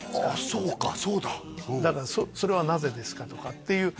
そうかそうだ「それはなぜですか？」とかっていう